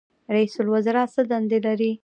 رئیس الوزرا څه دندې لري؟